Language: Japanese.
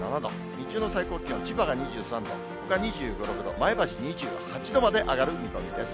日中の最高気温、千葉が２３度、ほか２５、６度、前橋２８度まで上がる見込みです。